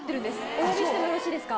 お呼びしてもよろしいですか？